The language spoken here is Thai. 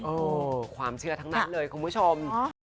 ความเชื่อทั้งนั้นเลยคุณผู้ชม